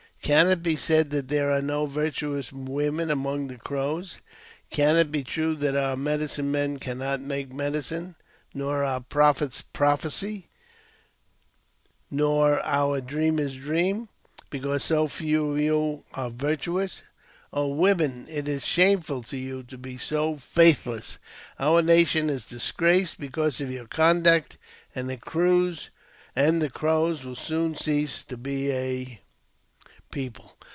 "Can it be said that there are no virtuous women among the Crows ? Can it be true that our medicine men cannot make medicine, nor our prophets prophesy, nor our dreamers dream, because so few of you are virtuous ? Oh, women ! it is shameful to you to be so faithless. Our nation is disgraced because of your conduct, and the Crows will soon cease to be a people.